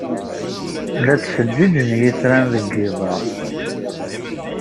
La ttfeǧǧiǧen yitran deg yiḍ-a.